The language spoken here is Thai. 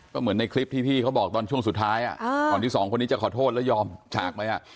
ก็เหมือนในคลิปที่พี่เขาบอกตอนช่วงสุดท้ายก่อนที่สองคนนี้จะขอโทษแล้วยอมฉากไปอ่ะ